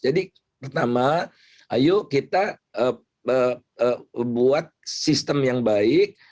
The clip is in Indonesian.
jadi pertama ayo kita buat sistem yang baik